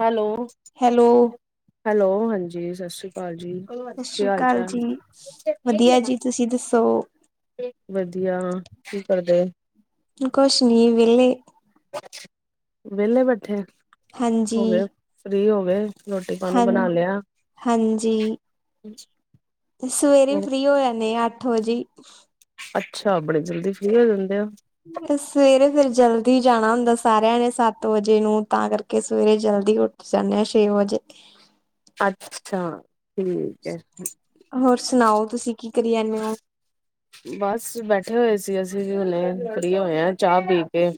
Hello, hello ਸਤਿ hello, ਹਾਂਜੀ, ਸਤਿ ਸ੍ਰੀ ਕਾਲ ਜੀ, ਕੀ ਸ੍ਰੀ ਅਕਾਲ ਹਾਲ-ਚਾਲ? ਜੀ ਵਧੀਆ ਜੀ ਤੁਸੀਂ ਦੱਸੋ ਵਧੀਆ, ਕੀ ਕਰਦੇ? ਕੁਛ ਨੀ, ਵਿਹਲੇ। ਵਿਹਲੇ ਬੈਠੇ ਓ, ਹੋ ਹਾਂਜੀ ਗਏ ਫ੍ਰੀ ਹੋ ਗਏ? ਰੋਟੀ ਪਾਣੀ ਹਾਂ, ਬਣਾ ਲਿਆ ਹਾਂਜੀ। ਸਵੇਰੇ ਈ ਫ੍ਰੀ ਹੋ ਜਾਂਨੇ ਆ, ਅੱਠ ਵਜੇ ਈ। ਅੱਛਾ, ਬੜੇ ਜਲਦੀ ਫ੍ਰੀ ਹੋ ਜਾਂਦੇ ਓ? ਸਵੇਰੇ ਫਿਰ ਜਲਦੀ ਜਾਣਾ ਹੁੰਦਾ ਸਾਰਿਆਂ ਨੇ ਸੱਤ ਵਜੇ ਨੂੰ, ਤਾਂ ਕਰਕੇ ਸਵੇਰੇ ਜਲਦੀ ਉੱਠ ਜਾਂਨੇ ਆ, ਛੇ ਵਜੇ। ਅੱਛਾ, ਠੀਕ ਐ। ਹੋਰ ਸੁਣਾਓ, ਤੁਸੀਂ ਕੀ ਕਰੀ ਜਾਂਨੇੇ ਓ? ਬਸ ਬੈਠੇ ਹੋਏ ਸੀ ਅਸੀਂ ਵੀ ਹੁਣੇ, ਫ੍ਰੀ ਹੋਏ ਆ, ਚਾਹ ਪੀਕੇ।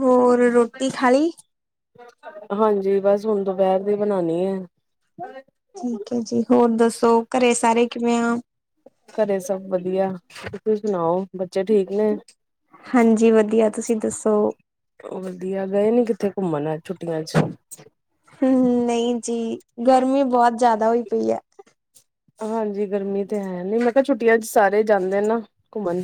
ਹੋਰ, ਰੋਟੀ ਖਾਲੀ? ਹਾਂਜੀ, ਬਸ ਹੁਣ ਦੁਪਹਿਰ ਦੀ ਬਣਾਣੀ ਐ। ਠੀਕ ਐ ਜੀ, ਹੋਰ ਦੱਸੋ, ਘਰੇ ਸਾਰੇ ਕਿਵੇਂ ਆ? ਘਰੇ ਸਭ ਵਧੀਆ, ਤੁਸੀਂ ਸੁਣਾਓ, ਬੱਚੇ ਠੀਕ ਨੇ? ਹਾਂਜੀ ਵਧੀਆ, ਤੁਸੀਂ ਦੱਸੋ? ਵਧੀਆ, ਗਏ ਨੀ ਕਿੱਥੇ ਘੁੰਮਣ ਛੁੱਟੀਆਂ'ਚ? ਹੂੰ ਨਹੀਂ ਜੀ, ਗਰਮੀ ਬਹੁਤ ਜ਼ਿਆਦਾ ਹੋਈ ਪਈ ਐ। ਹਾਂਜੀ ਗਰਮੀ ਤੇ ਹੈ, ਨਹੀਂ ਮੈਂ ਕਿਹਾ ਛੁੱਟੀਆਂ'ਚ ਸਾਰੇ ਜਾਂਦੇ ਨਾ ਘੁੰਮਣ।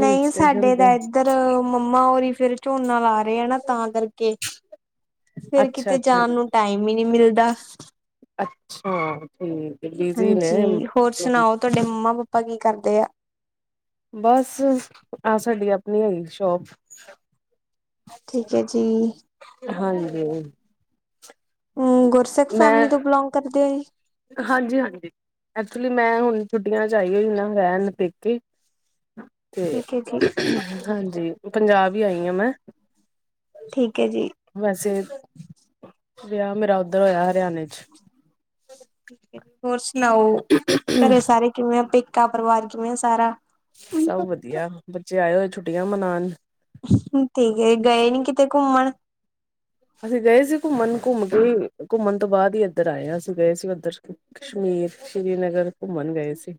ਹਿਲ ਨਹੀਂ ਸਟੇਸ਼ਨ ਸਾਡੇ ਤੇ ਤਾਂ ਇੱਧਰ ਮੰਮਾ ਹੁਰੀ ਫੇਰ ਝੋਨਾ ਲਾ ਰਹੇ ਆ ਨਾ ਤਾਂ ਕਰਕੇ ਫੇਰ ਅੱਛਾ ਕਿਤੇ ਅੱਛਾ ਜਾਣ ਨੂੰ ਟਾਈਮ ਹੀ ਨੀ ਮਿਲਦਾ। ਅੱਛਾ ਠੀਕ ਐ ਬਿਜੀ ਨੇ ਹਾਂਜੀ ਹੋਰ [unintelligible] ਸੁਣਾਓ ਤੁਹਾਡੇ ਮੰਮਾ-ਪਾਪਾ ਕੀ ਕਰਦੇ ਆ? ਬਸ ਆਹ ਸਾਡੀ ਆਪਣੀ ਹੈਗੀ ਸ਼ੋਪ। ਠੀਕ ਐ ਜੀ। ਹਾਂਜੀ। ਹੂੰ, ਗੁਰਸਿੱਖ ਮੈਂ ਫੈਮਿਲੀ ਤੋਂ ਬਿਲੋਂਗ ਕਰਦੇ ਓ ਜੀ। ਹਾਂਜੀ, ਹਾਂਜੀ ਐਕਚੁਲੀ ਮੈਂ ਹੁਣ ਛੁੱਟੀਆਂ ਚ ਆਈ ਹੋਈ ਨਾ ਰਹਿਨ ਪੇਕੇ। ਤੇ ਠੀਕ ਹੈ ਜੀ ਹਾਂਜੀ ਪੰਜਾਬ ਹੀ ਆਈ ਆ ਮੈਂ ਠੀਕ ਐ ਜੀ। ਵੈਸੇ ਵਿਆਹ ਮੇਰਾ ਉੱਧਰ ਹੋਇਆ ਹਰਿਆਣੇ ਚ ਠੀਕ ਐ, ਹੋਰ ਸੁਣਾਓ ਘਰੇ ਸਾਰੇ ਕਿਵੇਂ ਆ ਪੇ ਕਾ ਪਰਿਵਾਰ ਕਿਵੇਂ ਆ ਸਾਰਾ? ਸਭ ਵਧੀਆ ਬੱਚੇ ਆਏ ਹੋਏ ਛੁੱਟੀਆਂ ਮਨਾਣ। ਠੀਕ ਐ ਇਹ ਗਏ ਨੀ ਕਿਤੇ ਘੁੰਮਣ? ਅਸੀਂ ਗਏ ਸੀ ਘੁੰਮਣ ਘੁੰਮ ਕੇ ਘੁੰਮਣ ਤੋਂ ਬਾਅਦ ਹੀ ਏਧਰ ਆਏ ਆ ਅਸੀਂ ਗਏ ਸੀ ਉੱਧਰ ਕਸ਼ਮੀਰ, ਸ਼੍ਰੀਨਗਰ ਘੁੰਮਣ ਗਏ ਸੀ।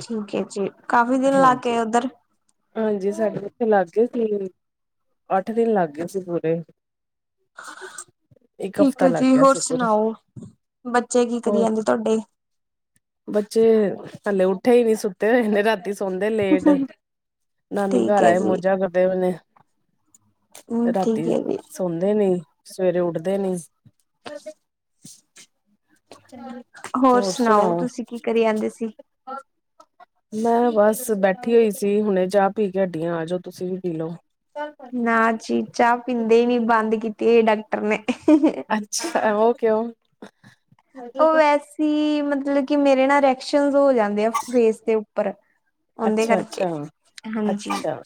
ਠੀਕ ਐ ਜੀ, ਕਾਫੀ ਦਿਨ ਲਾ ਕੇ ਹਾਂਜੀ। ਆਏ ਉੱਧਰ ਹਾਂਜੀ ਸਾਡੇ ਉੱਥੇ ਲੱਗ ਗਏ ਸੀ ਅੱਠ ਦਿਨ ਲੱਗ ਗਏ ਸੀ ਪੂਰੇ। ਇੱਕ ਠੀਕ ਹਫ਼ਤਾ ਐ ਲੱਗ ਜੀ ਗਿਆ ਹੋਰ ਸੀ ਪੂਰਾ। ਸੁਣਾਓ, ਬੱਚੇ ਕੀ ਕਰੀ ਹੋਰ ਜਾਂਦੇ ਤੁਹਾਡੇ? ਬੱਚੇ ਹਲੇ ਉੱਠੇ ਹੀ ਨੀ ਸੁੱਤੇ ਹਲੇ ਰਾਤੀ ਸੌਦੇ ਲੇਟ ਨਾਨੀ ਠੀਕ ਘਰ ਹੈ ਆਏ ਜੀ ਮੋਜਾਂ ਕਰਦੇ ਪਏ ਨੇ। ਹੂੰ ਠੀਕ ਰਾਤੀ ਹੈ ਜੀ ਸੌਦੇ ਨੀ, ਸਵੇਰੇ ਉੱਠਦੇ ਨੀ। [unintelligible] ਹੋਰ ਸੁਣਾਓ, ਤੁਸੀਂ ਕੀ ਕਰੀ ਜਾਂਦੇ ਸੀ। [unintelligible] ਮੈਂ ਬਸ ਬੈਠੀ ਹੋਈ ਸੀ ਹੁਣੇ ਚਾਹ ਪੀ ਕੇ ਹਟੀ ਆ ਆਜੋ ਤੁਸੀਂ ਵੀ ਪੀ ਲਓ। ਨਾ ਜੀ ਚਾਹ ਪੀਂਦੇ ਹੀ ਨੀ ਬੰਦ ਕੀਤੀ ਹੋਈ ਡਾਕਟਰ ਨੇ। ਅੱਛਾ ਓ ਕਿਉ? ਉਹ ਵੈਸੀ ਮਤਲਬ ਕਿ ਮੇਰੇ ਨਾ ਰਐਕਸ਼ਨਜ ਹੋ ਜਾਂਦੇ ਆ ਫੇਸ ਦੇ ਉੱਪਰ। ਉਹਦੇ ਅੱਛਾ, ਕਰਕੇ ਅੱਛਾ, ਹਾਂਜੀ ਅੱਛਾ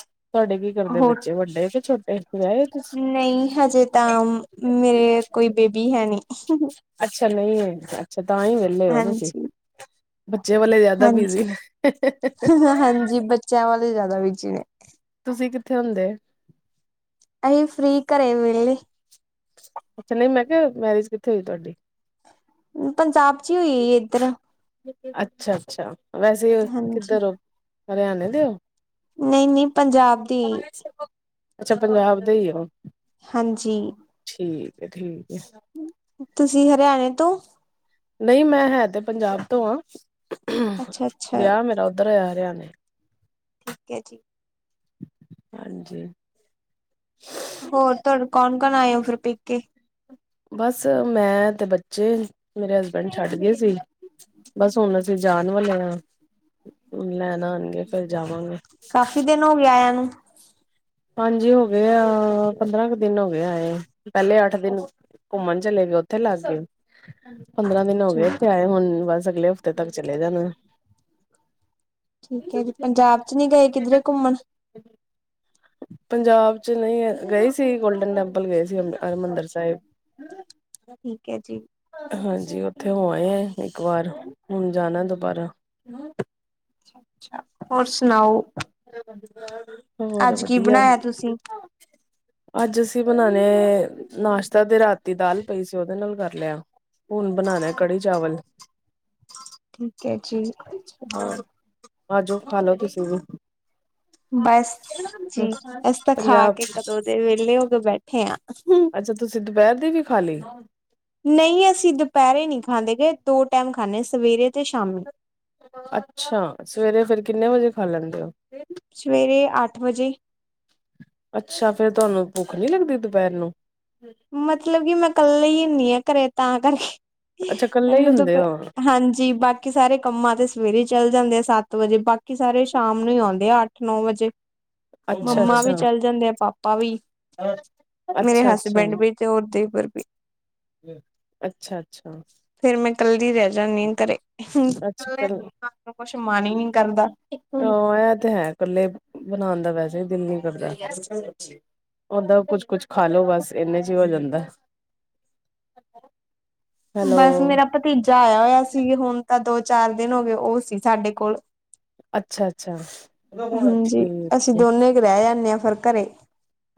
ਤੁਹਾਡੇ ਕੀ ਕਰਦੇ ਹੋਰ ਬੱਚੇ ਵੱਡੇ ਕਿ ਛੋਟੇ ਟੇ ਵਿਆਹੇ ਹੋ ਤੁਸੀ? ਨਹੀਂ ਹਜੇ ਤਾਂ ਮੇਰੇ ਕੋਈ ਬੇਬੀ ਹੈ ਨਈ। ਅੱਛਾ ਨਹੀਂ ਹੈ, ਅੱਛਾ ਤਾਂ ਹੀ ਵੇ ਹਲੇ ਹੋ ਤੁਸੀਂ ਹਾਂਜੀ। ਬੱਚਿਆ ਵਾਲੇ ਜਿਆਦਾ ਹਾਂਜੀ ਬਿਜੀ ਨੇ ਹਾਂਜੀ ਬੱਚਿਆਂ ਵਾਲੇ ਜ਼ਿਆਦਾ ਬਿਜੀ ਨੇ ਤੁਸੀਂ ਕਿੱਥੇ ਹੁੰਦੇ? ਅਹੀ ਫਰੀ ਘਰੇ ਵੇਹਲੇ। ਅੱਛਾ ਨਹੀਂ ਮੈਂ ਕਿਹਾ ਮੈਰਿਜ ਕਿੱਥੇ ਹੋਈ ਤੁਹਾਡੀ? ਪੰਜਾਬ ਚ ਹੀ ਹੋਈ ਆ ਜੀ ਏਧਰ ਅੱਛਾ, ਅੱਛਾ ਵੈਸੇ ਹਾਂਜੀ ਕਿੱਧਰ ਹੋ ਹਰਿਆਣੇ ਦੇ ਹੋ ਨਹੀਂ, ਨਹੀਂ ਪੰਜਾਬ ਦੀ [unintelligible] ਅੱਛਾ ਪੰਜਾਬ ਦੇ ਹੀ ਓ। ਹਾਂਜੀ ਠੀਕ ਹੈ ਤੁਸੀਂ ਹਰਿਆਣੇ ਤੋਂ ਨਹੀਂ ਮੈਂ ਹੈ ਤੇ ਪੰਜਾਬ ਤੋਂ ਆ ਅੱਛਾ ਅੱਛਾ ਵਿਆਹ ਮੇਰਾ ਉੱਧਰ ਹੋਇਆ ਹਰਿਆਣੇ। ਠੀਕ ਹੈ ਜੀ। ਹਾਂਜੀ। ਹੋਰ ਤੁ ਕੌਣ -ਕੌਣ ਆਏ ਹੋ ਫਿਰ ਪੇਕੇ ਬਸ ਮੈਂ ਤੇ ਬੱਚੇ ਮੇਰੇ ਹਸਬੈਂਡ ਛੱਡ ਗਏ ਸੀ। ਬਸ ਹੁਣ ਅਸੀਂ ਜਾਣ ਵਾਲੇ ਆ, ਹਣ ਲੈਣ ਆਉਣਗੇ ਫੇਰ ਜਾਵਾਂਗੇ। ਕਾਫੀ ਦਿਨ ਹੋ ਗਏ ਆਇਆ ਨੂੰ ਹਾਂਜੀ ਹੋ ਗਏ ਆ ਪੰਦਰਾਂ ਕੁ ਦਿਨ ਹੋ ਗਿਆਏ ਇਹ ਪਹਿਲੇ ਅੱਠ ਦਿਨ ਘੁੰਮਣ ਚਲੇ ਗਏ ਉੱਥੇ ਲੱਗ ਗਏ ਪੰਦਰਾਂ ਦਿਨ ਹੋ ਗਏ ਤੇੇ ਆਏ ਹੁਣ ਬਸ ਅਗਲੇ ਹਫ਼ਤੇ ਤੱਕ ਚਲੇ ਜਾਣਾ [unintelligible] ਪੰਜਾਬ ਚ ਨੀ ਗਏ ਕਿੱਧਰੇ ਘੁੰਮਣ ਪੰਜਾਬ ਚ ਨਹੀਂ ਗਏ ਸੀ ਗੋਲਡਨ ਟੈਂਪਲ ਗਏ ਸੀ ਹਰਿਮੰਦਰ ਸਾਹਿਬ ਠੀਕ ਹੈ ਜੀ ਹਾਂਜੀ ਉੱਥੇ ਹੋ ਆਏ ਹੈ ਇੱਕ ਵਾਰ ਹੁਣ ਜਾਣਾ ਦੁਬਾਰਾ ਹੋਰ ਸੁਣਾਓ ਹੋਰ ਅੱਜ ਕੀ ਵਧੀਆ ਬਣਾਇਆ ਤੁਸੀਂ ਅੱਜ ਅਸੀਂ ਬਣਾਣੇ ਨਾਸ਼ਤਾ ਤੇ ਰਾਤੀ ਦਾਲ ਪਈ ਸੀ ਉਹਦੇ ਨਾਲ ਕਰ ਲਿਆ ਹੁਣ ਬਣਾ ਨੇ ਕੜੀ ਚਾਵਲ ਠੀਕ ਹੈ ਜੀ ਹਾ ਆ ਜੋੋ ਖਾਲੋ ਤੁਸੀਂ ਵੀ ਬਸ ਜੀ ਅਸੀ ਤਾਂ ਖਾ ਪੰਜਾਬ ਕੇ ਕਦੋਂ ਦੇ ਵਹਲੇ ਹੋ ਕੇ ਬੈਠੇ ਆ ਅੱਛਾ ਤੁਸੀਂ ਦੁਪਹਿਰ ਦੀ ਵੀ ਖਾਲੀ ਨਹੀਂ ਅਸੀਂ ਦੁਪਹਿਰੇ ਨਹੀਂ ਖਾਂਦੇ ਗਏ ਦੋ ਟਾਈਮ ਖਾਂਦੇ ਸਵੇਰੇ ਤੇ ਸ਼ਾਮੀ ਅੱਛਾ ਸਵੇਰੇ ਫਿਰ ਕਿੰਨੇ ਵਜੇ ਖਾ ਲੈਂਦੇ ਹੋ ਸਵੇਰੇ ਅੱਠ ਵਜੇ ਹੀ ਅੱਛਾ ਫਿਰ ਤੁਹਾਨੂੰ ਭੁੱਖ ਨੀ ਲੱਗਦੀ ਦੁਪਹਿਰ ਨੂੰ ਮਤਲਬ ਕਿ ਮੈਂ ਕੱਲੀ ਹੀ ਹੁੰਦੀ ਆ ਘਰੇ ਤਾਂ ਕਰਕੇ ਅੱਛਾ [unintelligible] ਕੱਲੇ ਹੀ ਹੁੰਦੇ ਹੋ ਹਾਂਜੀ ਬਾਕੀ ਬਾਕੀ ਸਾਰੇ ਕੰਮਾਂ ਤੇ ਸਵੇਰੇ ਹੀ ਚੱਲ ਜਾਂਦੇ ਆ ਸੱਤ ਵਜੇ ਬਾਕੀ ਸਾਰੇ ਸ਼ਾਮ ਨੂੰ ਹੀ ਆਉਂਦੇ ਆ ਅੱਠ ਨੌ ਵਜੇ ਅੱਛਾ ਮੰਮਾ ਵੀ ਚਲ ਜਾਂਦੇ ਆ ਪਾਪਾ ਵੀ ਮੇਰੇ ਅੱਛਾ ਅੱਛਾ ਅੱਛਾ ਹਸਬੈਂਡ ਵੀ ਤੇ ਔਰ ਦੇਵਰ ਵੀ ਅੱਛਾ ਅੱਛਾ ਫਿਰ ਮੈਂ ਕੱਲਦੀ ਰਹਿ ਜਾਂਦੀ ਹਾ ਘਰੇ ਅੱਛਾ ਕੱਲ ਕੁਛ ਮਨ ਹੀ ਨੀ ਕਰਦਾ ਆ ਤੇ ਹੈ ਇਕੱਲੇ ਬਣਾਉਣ ਦਾ ਵੈਸੇ ਦਿਲ ਨੀ ਕਰਦਾ ਓਦਾ ਕੁੱਛ ਕੁਛ ਖਾ ਲੋੋ ਬਸ ਇੰਨੇ ਚ ਹੀ ਹੋ ਜਾਂਦਾ ਹੈਲੋ ਬਸ ਮੇਰਾ ਭਤੀਜਾ ਆਇਆ ਹੋਇਆ ਸੀ ਹੁਣ ਤਾਂ ਦੋ ਚਾਰ ਦਿਨ ਹੋ ਗਏ ਉਹ ਸੀ ਸਾਡੇ ਕੋਲ ਅੱਛਾ ਅੱਛਾ ਹਾਂਜੀ ਠੀਕ ਅਸੀਂ ਦੋਨੇ ਹੀ ਰਹਿ ਜਾਂਦੇ ਹਾ ਘਰੇ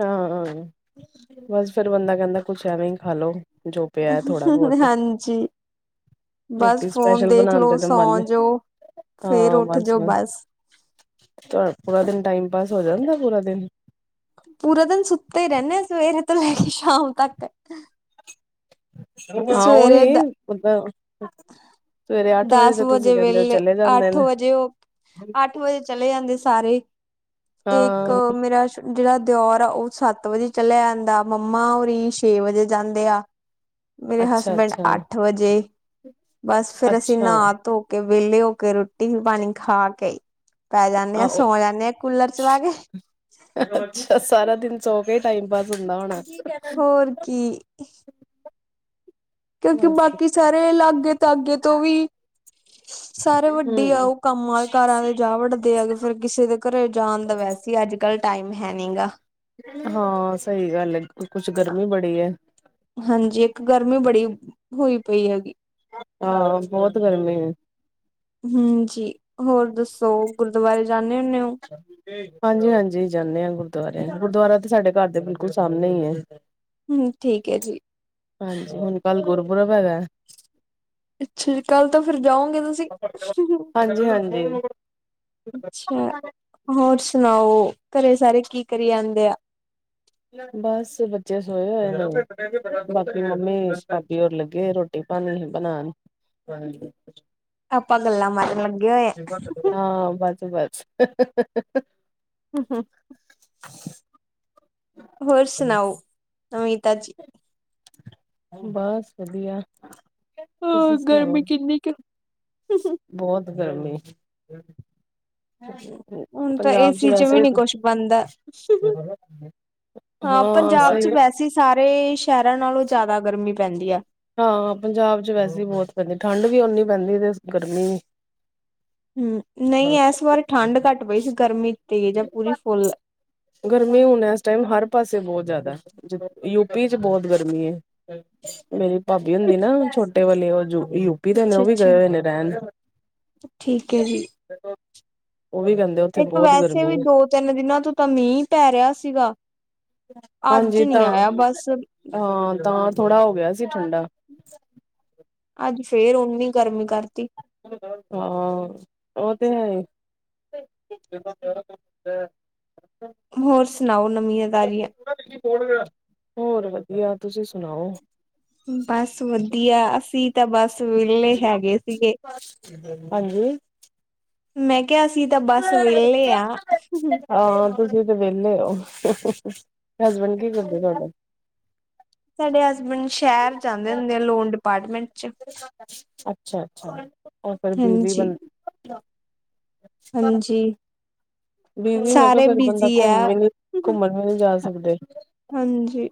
ਅੱਛਾ ਬਸ ਫਿਰ ਬੰਦਾ ਕਹਿੰਦਾ ਕੁਛ ਐਵੇਂ ਹੀ ਖਾਲੋ ਜੋ ਪਿਆ ਥੋੜ੍ਹਾ ਬਹੁਤ ਹਾਂਜੀ ਬਸ ਰੋਟੀ ਫੋਨ ਸਪੈਸ਼ਲ ਦੇਖ ਬਣਾਉਣ ਲੋ, ਤੇ ਤਾਂ ਮਨ ਸੌ ਜੋ, ਫੇਰ ਹਾਂ ਉੱਠ ਬਸ ਜੋ ਬਸ ਤੁਹਾਡਾ ਪੂਰਾ ਦਿਨ ਟਾਈਮ ਪਾਸ ਹੋ ਜਾਂਦਾ ਪੂਰਾ ਦਿਨ? ਪੂਰਾ ਦਿਨ ਸੁੱਤੇ ਹੀ ਰਹਿੰਨੇ ਆ ਸਵੇਰੇ ਤੋਂ ਲੈ ਕੇ ਸ਼ਾਮ ਤੱਕ। ਹਾਂ ਸਵੇਰੇ ਉਹੀ, ਦ ਮਤਲ ਸਵੇਰੇ ਅੱਠ ਵਜੇ ਦਸ ਤੋਂ ਤੁਸੀਂ ਕਹਿੰਦੇ ਹੋ ਵੇਲੇ ਚਲੇ ਜਾਂਦੇ ਅੱਠ ਨੇ। ਵਜੇ ਉਹ ਅੱਠ ਵਜੇ ਚਲੇ ਜਾਂਦੇ ਸਾਰੇ, ਇੱਕ ਹਾਂ ਮੇਰਾ, ਜਿਹੜਾ ਦਿਓਰ ਆ ਉਹ ਸੱਤ ਵਜੇ ਚਲਿਆ ਜਾਂਦਾ ਮੰਮਾ ਹੋਰੀ ਛੇ ਵਜੇ ਜਾਂਦੇ ਆ। [inaudible] ਮੇਰੇ ਅੱਛਾ ਹਸਬੈਂਡ ਅੱਛਾ ਅੱਠ ਵਜੇ। ਬਸ ਫੇਰ ਅਸੀਂ ਅੱਛਾ ਨਹਾ ਧੋ ਕੇ ਵਿਹਲੇ ਹੋ ਕੇ ਰੋਟੀ-ਪਾਣੀ ਖਾ ਕੇ ਪੈ ਜਾਂਨੇ ਆ ਆਹੋ ਸੌ ਜਾਨੇ ਆ ਕੂਲਰ ਚਲਾ ਕੇ। ਅੱਛਾ ਸਾਰਾ ਦਿਨ ਸੋ ਕੇ ਟਾਈਮ ਪਾਸ ਹੁੰਦਾ ਹੋਣਾ। ਹੋਰ [inaudible] ਕਿਉਂਕਿ ਬਸ ਬਾਕੀ ਸਾਰੇ ਲਾਗੇ ਧਾਗੇ ਤੋਂ ਵੀ [inaudible] ਸਾਰੇ ਵੱਡੀ ਆ ਹਮ ਉਹ ਕੰਮਾਂ-ਕਾਰਾਂ ਦੇ ਜਾ ਵਡਦੇ ਆ ਫੇਰ ਕਿਸੇ ਦੇ ਘਰੇ ਜਾਣ ਦਾ ਵੈਸੇ ਈ ਅੱਜ ਕੱਲ ਟਾਈਮ ਹੈਨੀ ਗਾ। ਹਾਂ ਸਹੀ ਗੱਲ ਏ ਕੁਛ ਗਰਮੀ ਬੜੀ ਐ। ਹਾਂਜੀ ਇੱਕ ਗਰਮੀ ਬੜੀ, ਹੋਈ ਪਈ ਹੈਗੀ। ਹਾਂ ਬਹੁਤ ਗਰਮੀ ਏ। ਹਾਂਜੀ ਹੋਰ ਦੱਸੋ ਗੁਰਦੁਆਰੇ ਜਾਂਨੇ ਹੁੰਨੇ ਓ? ਹਾਂਜੀ-ਹਾਂਜੀ ਜਾਂਨੇ ਆ ਗੁਰਦੁਆਰੇ ਗੁਰਦੁਆਰਾ ਤਾਂ ਸਾਡੇ ਘਰ ਦੇ ਬਿਲਕੁਲ ਸਾਹਮਣੇ ਈ ਏ। ਹੂੰ ਠੀਕ ਐ ਜੀ। ਹਾਂਜੀ ਹੁਣ ਕੱਲ ਗੁਰਪੁਰਬ ਹੈਗਾ। ਅੱਛਾ ਜੀ ਕੱਲ੍ਹ ਤਾਂ ਫਿਰ ਜਾਓਗੇ ਤੁਸੀਂ। ਹਾਂਜੀ-ਹਾਂਜੀ। ਅੱਛਾ, ਹੋਰ ਸੁਣਾਓ ਘਰੇ ਸਾਰੇ ਕੀ ਕਰੀ ਜਾਂਂਦੇ ਆ? ਬਸ ਬੱਚੇ ਸੋਏ ਹੋਏ, ਬਾਕੀ ਮੰਮੀ ਭਾਬੀ ਹੋਰ ਲੱਗੇ ਰੋਟੀ ਰੋਟੀ ਪਾਣੀ ਬਣਾਨ। ਆਪਾਂ ਗੱਲਾਂ ਮਾਰਨ ਲੱਗੇ ਹੋਏ ਆ। ਹਾਂ ਬੱਸ-ਬੱਸ। [unintelligible] ਹੋਰ ਸੁਣਾਓ, ਨਵੀਂ ਤਾਜੀ। ਬਸ ਵਧੀਆ, ਤੁਸੀ ਹਾਂ ਸੁਣਾਓ। ਗਰਮੀ ਕਿੰਨੀ ਕੁ ਬਹੁਤ ਗਰਮੀ ਏ। ਹੁਣ ਤਾਂ ਪੰਜਾਬ 'ਚ ਏਸੀ ਵੀ ਵੈਸੇ ਨੀ ਕੁਛ ਬਣਦਾ। ਹਾਂ ਸਹੀ- ਅਸੀ ਸਾਰੇ ਸ਼ਹਿਰਾਂ ਨਾਲੋਂ ਜ਼ਿਆਦਾ ਗਰਮੀ ਪੈਂਦੀ ਆ। ਹਾਂ ਪੰਜਾਬ 'ਚ ਵੈਸੇ ਬਹੁਤ ਪੈਂਦੀ ਠੰਡ ਵੀ ਓਨੀ ਪੈਂਦੀ ਤੇ ਗਰਮੀ ਵੀ। ਹੂੰ, ਨਹੀਂ ਇਸ ਵਾਰ ਠੰਢ ਘੱਟ ਪਈ ਸੀ ਗਰਮੀ ਤੇਜ ਆ ਪੂਰੀ ਫੁੱਲ ਆ। ਗਰਮੀ ਹੁਣ ਇਸ ਟਾਈਮ ਹਰ ਪਾਸੇ ਬਹੁਤ ਜ਼ਿਆਦਾ। ਯੂਪੀ 'ਚ ਬਹੁਤ ਗਰਮੀ ਏ। ਮੇਰੀ ਭਾਬੀ ਹੁੰਦੀ ਨਾ ਛੋਟੇ ਵਾਲੇ ਉਹ ਯੂ ਯੂਪੀ ਦੇ ਨੇ ਅੱਛਾ ਉਹ ਵੀ ਅੱਛਾ ਗਏ ਹੋਏ ਨੇ ਰਹਿਣ। ਠੀਕ ਹੈ ਜੀ। ਉਹ ਵੀ ਉੱਥੇ ਇੱਕ ਬਹੁਤ ਵੈਸੇ ਵੀ ਗਰਮੀ ਦੋ-ਤਿੰਨ ਦਿਨਾਂ ਤੋਂ ਤਾਂ ਮੀਂਹ ਪੈ ਰਿਹਾ ਸੀਗਾ। ਅੱਜ ਹਾਂਜੀ ਨੀ ਤਾਂ, ਆਇਆ ਬਸ ਹਾਂ ਤਾਂ ਥੋੜਾ ਹੋ ਗਿਆ ਸੀ ਠੰਡਾ। ਅੱਜ ਫੇਰ ਓਨੀ ਗਰਮੀ ਕਰਤੀ। [unintelligible] ਹਾਂ, ਓ ਤੇ ਹੈ ਈ। [unintelligible] ਹੋਰ ਸੁਨਾਓ ਨਵੀਆਂ-ਤਾਜ਼ੀਆਂ? ਹੋਰ ਵਧੀਆ, ਤੁਸੀਂ ਸੁਣਾਓ? ਬਸ ਵਧੀਆ, ਅਸੀਂ ਤਾਂ ਬਸ ਵੇਲੇ ਹੈਗੇ ਸੀਗੇ। ਹਾਂਜੀ। ਮੈਂ ਕਿਆ ਅਸੀ ਤਾਂ ਬੱਸ ਵੇਲੇ ਆ। ਹਾਂ, ਤੁਸੀਂ ਤੇ ਵੇਲੇ ਓ। ਹਸਬੈਂਡ ਕੀ ਕਰਦੇ ਤੁਆਡੇ? ਸਾਡੇ ਹਸਬੈਂਡ ਸ਼ਹਿਰ ਜਾਂਦੇ ਹੁੰਦੇ ਐ, ਲੋਨ ਡਿਪਾਰਟਮੈਂਟ। ਚ। ਅੱਛਾ- ਅੱਛਾ। ਓ ਫਿਰ ਬੀਜ਼ੀ ਹਾਂਜੀ, ਬੰਦੇ। ਹਾਂਜੀ ਬੀਜ਼ੀ ਮੈਂ ਕਿਆ ਸਾਰੇ ਫੇਰ ਬੰਦਾ ਬਿਜ਼ੀ ਐ। ਘੁੰਮ ਵੀ ਨੀ - ਘੁੰਮਨ ਵੀ ਨੀ ਜਾ ਸਕਦੇ। ਹਾਂਜੀ।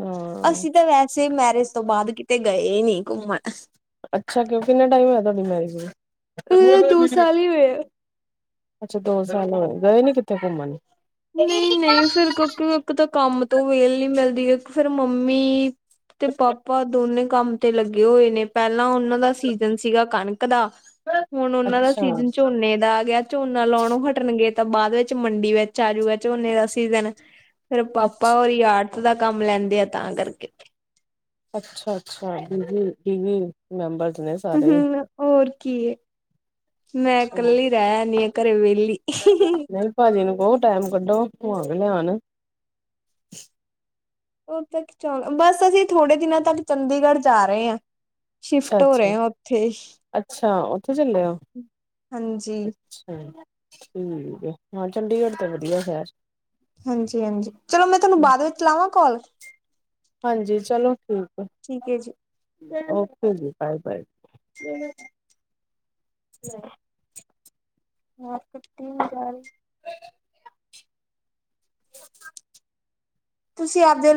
ਹਾਂ ਅਸੀਂ ਤਾਂ ਵੈ ਅਸੀਂ ਮੈਰਿਜ ਤੋਂ ਬਾਦ ਕਿਤੇ ਗਏ ਈ ਨੀ ਘੁੰਮਣ। ਅੱਛਾ ਤੇ ਕਿੰਨਾ ਟਾਈਮ ਹੋਇਆ ਤੁਆਡੀ ਮੈਰਿਜ ਨੂੰ? ਇਹ ਦੋ ਸਾਲ ਹੀ ਹੋਏ ਆ। ਅੱਛਾ ਦੋ ਸਾਲ ਹੋਏ, ਗਏ ਨੀ ਕਿੱਥੇ ਘੁੰਮਨ। ਨਈ - ਨਈ ਫੇਰ ਕਿਉਕਿ ਇੱਕ ਤਾਂ ਕੰਮ ਤੋਂ ਵੇਲ ਨੀ ਮਿਲਦੀ, ਏਕ ਫੇਰ ਮੰਮੀ- ਤੇ ਪਾਪਾ ਦੋਨੇ ਈ ਕੰਮ ਤੇ ਲੱਗੇ ਹੋਏ ਨੇ, ਪੈਲਾਂ ਓਨਾਂ ਦਾ ਸੀਜਨ ਸੀਗਾ ਕਣਕ ਦਾ ਹੁਣ ਓਨਾਂ ਦਾ ਅੱਛਾ ਸੀਜਨ ਝੋਨੇ ਦਾ ਆ ਗਿਆ। ਝੋਨਾ ਲੋਣੋ ਹਟਣਗੇ ਤਾਂ ਬਾਅਦ ਵਿੱਚ ਮੰਡੀ ਵਿੱ ਚ ਆਜੂਗਾ ਝੋਨੇ ਦਾ ਸੀਜਨ, ਫੇਰ ਅੱਛਾ ਪਾਪਾ ਓਰੀ ਆਰਟ ਦਾ ਕੰਮ ਲੈਂਦੇ ਆ ਤਾਂ ਕਰਕੇ। ਅੱਛਾ- ਅੱਛਾ ਬੀ- ਬੀ, ਵੀ -ਵੀ ਮੈਂਬਰਸ ਨੇ - ਹੂੰ ਹੋਰ ਕੀ, ਮੈਂ ਕੱਲੀ ਰੈ ਐ ਨੀ ਆ ਘਰੇ ਵੇਲੀ। ਨਈ ਭਾਜੀ ਨੂੰ ਕਓ ਟੈਮ ਕੱਢੋ, ਘੁੰਮਾ ਕੇ ਲਿਆਣ। ਓ ਤਾਂ ਏਕ ਚਾਂ, ਬਸ ਅਸੀਂ ਥੋੜੇ ਦਿਨਾਂ ਤੱਕ ਚੰਡੀਗੜ੍ਹ ਜਾ ਰਏ ਆ। ਅੱਛਾ- ਅੱਛਾ। ਉੱਥੇ। ਅੱਛਾ ਉੱਥੇ ਚੱਲੇ ਓ? ਹਾਂਜੀ, ਅਛਾ, ਠੀਕ ਏ। ਹਾਂ ਚੰਡੀਗੜ੍ਹ ਤਾਂ ਵਧੀਆ ਸ਼ਹਿਰ। ਹਾਂਜੀ-ਹਾਂਜੀ, ਚਲੋ ਮੈਂ ਤਾਂਨੂੰ ਬਾਅਦ ਵਿੱਚ ਲਾਵਾਂ ਕੋਲ। ਹਾਂਜੀ, ਚਲੋ ਠੀਕ ਏ। ਠੀਕ ਏ ਜੀ। ਓਕੇ ਜੀ, ਬਾਏ- ਬਾਏ। ਵਾਜ਼ ਕਟੀ ਜਾਰੀ। [inaudible] [inaudible] ਤੁਸੀਂ ਆਪਦੇ